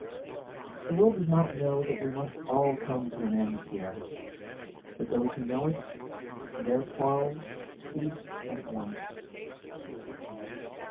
6. The world does not know that we must all come to an end here; but those who know it, their quarrels cease at once.